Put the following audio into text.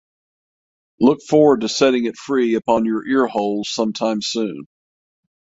Look forward to setting it free upon your ear holes sometime soon.